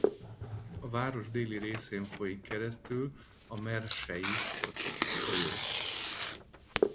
A város déli részén folyik keresztül a Mersey folyó.